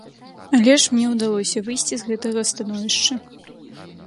Але ж мне ўдалося выйсці з гэтага становішча.